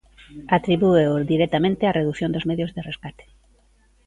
Atribúeo directamente á redución dos medios de rescate.